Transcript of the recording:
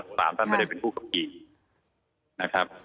สี่สามท่านไม่ได้เป็นผู้กระพรีนะครับ